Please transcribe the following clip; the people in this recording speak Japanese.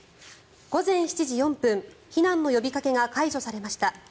午前７時４分避難の呼びかけが解除されました。